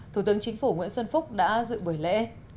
thủ tướng chính phủ nguyễn xuân phúc đã dự buổi lễ